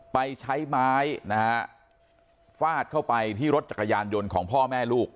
ไปใช้ไม้นะฮะฟาดเข้าไปที่รถจักรยานยนต์ของพ่อแม่ลูก